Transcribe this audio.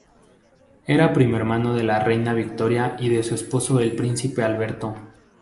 Era primo hermano de la Reina Victoria y de su esposo, el príncipe Alberto.